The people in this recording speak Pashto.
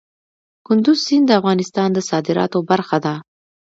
کندز سیند د افغانستان د صادراتو برخه ده.